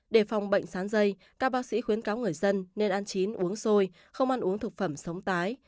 để phòng bệnh sán dây các bác sĩ khuyến cáo người dân nên ăn chín uống xôi không ăn uống thực phẩm sống tái